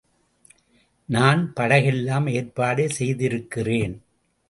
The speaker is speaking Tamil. நான் படகெல்லாம் ஏற்பாடு செய்திருக்கிறேன்.